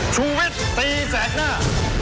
ชูวิทย์ตีแสกหน้า